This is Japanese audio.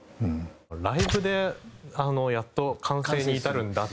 ライヴでやっと完成に至るんだっていう話が。